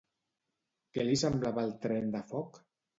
Què li semblava el tren de foc?